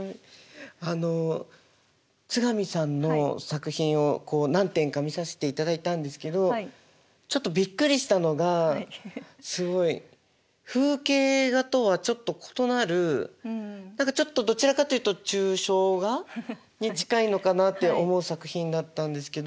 あの津上さんの作品を何点か見させていただいたんですけどちょっとびっくりしたのがすごい風景画とはちょっと異なる何かちょっとどちらかというと抽象画に近いのかなって思う作品だったんですけど。